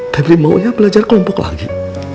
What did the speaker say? tapi maunya belajar kelompok lagi